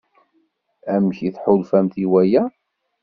Amek i tḥulfamt i waya?